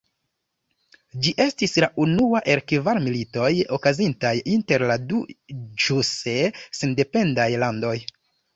Ĝi estis la unua el kvar militoj okazintaj inter la du ĵuse sendependaj landoj.